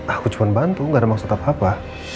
aku cuma bantu gak ada maksud apa apa